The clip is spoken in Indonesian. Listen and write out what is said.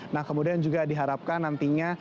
nah kemudian juga diharapkan nantinya